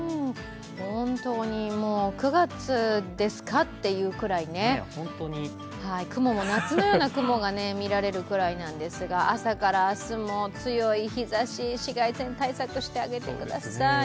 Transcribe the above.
本当にもう９月ですかというくらい、雲も夏のような雲が見られるくらいなんですが朝から明日も強い日ざし、紫外線対策してあげてください。